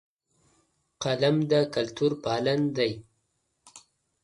قلم د کلتور پالن دی